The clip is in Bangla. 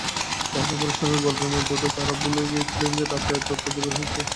একে অপরের সঙ্গে গল্পে মেতে তাঁরা ভুলেই গিয়েছিলেন রাত এতটা গভীর হয়েছে।